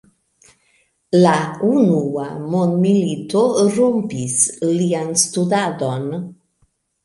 La unua mondmilito rompis lian studadon.